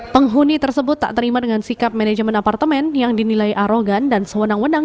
penghuni tersebut tak terima dengan sikap manajemen apartemen yang dinilai arogan dan sewenang wenang